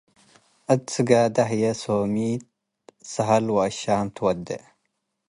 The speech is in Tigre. እት ስጋደ ህይ ሶሚታት ወሰሀል ወአሻም ትወዴ ።